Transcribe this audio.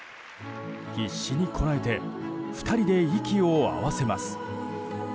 必死にこらえて２人で息を合わせます。